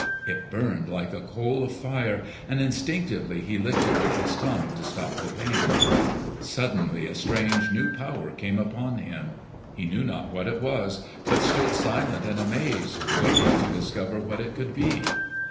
It burned like a coal of fire, and instinctively he licked it with his tongue to stop the pain. Suddenly a strange new power came upon him. He knew not what it was, but stood silent and amazed waiting to discover what it could be.